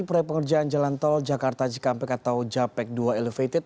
proyek pengerjaan jalan tol jakarta cikampek atau japek dua elevated